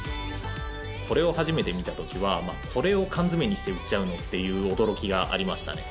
これを初めて見た時はこれを缶詰にして売っちゃうの？っていう驚きがありましたね。